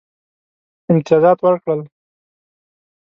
امتیازات ورکړل.